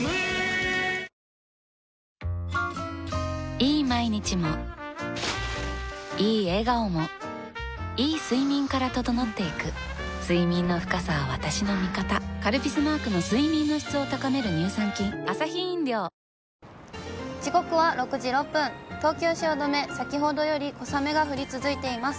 いい毎日もいい笑顔もいい睡眠から整っていく睡眠の深さは私の味方「カルピス」マークの睡眠の質を高める乳酸菌時刻は６時６分、東京・汐留、先ほどより小雨が降り続いています。